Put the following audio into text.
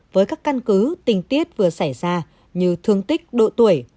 với các căn cứ tình tiết vừa xảy ra như thương tích độ tuổi